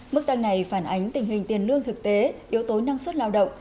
mức tăng này phản ánh tình hình tiền lương thực tế yếu tố năng suất lao động